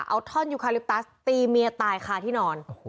เอาท่อนยูคาลิปตัสตีเมียตายคาที่นอน